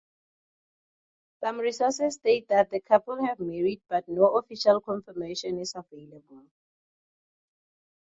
Some sources state that the couple have married, but no official confirmation is available.